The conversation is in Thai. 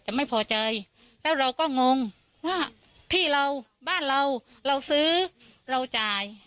แต่ไม่พอใจแล้วเราก็งงว่าพี่เราบ้านเราเราซื้อเราจ่าย